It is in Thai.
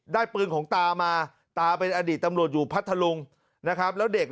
ปืนของตามาตาเป็นอดีตตำรวจอยู่พัทธลุงนะครับแล้วเด็ก